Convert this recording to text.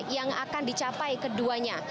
yang akan dicapai keduanya